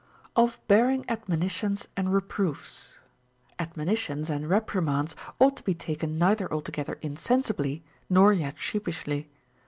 Of hearing Admonitions and Reproofs. 16. Admonitions and reprimands ought to be taken neither altogether insensibly nor yet sheepishly.